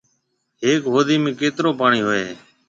هيڪ هودي ۾ ڪيترو پوڻِي هيَ۔